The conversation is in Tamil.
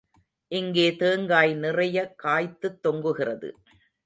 இங்கே தேங்காய் நிறைய காய்த்துத் தொங்குகிறது.